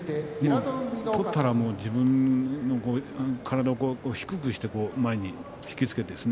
取ったら、もう自分の体を低くして前に引き付けてです